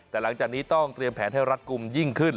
แต่หลังจากนี้ต้องเตรียมแผนให้รัดกลุ่มยิ่งขึ้น